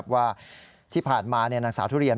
ว่าที่ผ่านมานางสาวทุเรียน